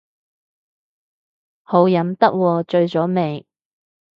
好飲得喎，醉咗未